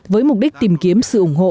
với mục đích tìm kiếm sự ủng hộ